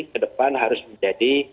ke depan harus menjadi